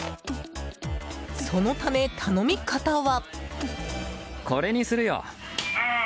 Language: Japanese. そのため、頼み方は。